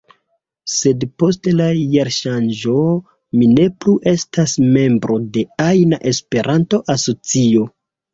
Sed post la jarŝanĝo mi ne plu estas membro de ajna Esperanto-asocio.